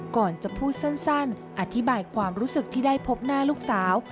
ก่อนจะพูดสั้นอธิบายความรู้สึกที่ได้พบหน้าลูกสาว